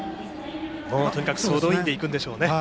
とにかく総動員でいくんでしょう。